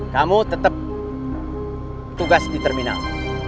kamu tetap tugas di terminal